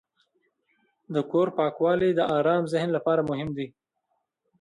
د کور پاکوالی د آرام ذهن لپاره مهم دی.